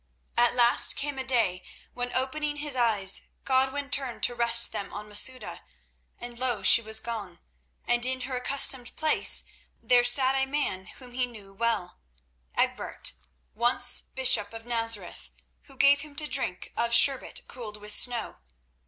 At last came a day when, opening his eyes, Godwin turned to rest them on Masouda, and lo! she was gone, and in her accustomed place there sat a man whom he knew well—Egbert, once bishop of Nazareth, who gave him to drink of sherbet cooled with snow.